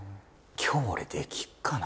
今日俺できるかな？